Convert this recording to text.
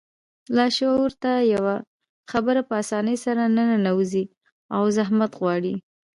لاشعور ته يوه خبره په آسانۍ سره نه ننوځي او زحمت غواړي.